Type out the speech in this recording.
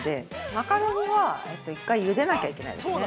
マカロニは一回ゆでなきゃいけないですね。